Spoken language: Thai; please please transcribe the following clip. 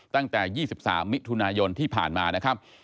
ตั้งแต่๒๓มิถุนายนที่ผ่านมานะครับ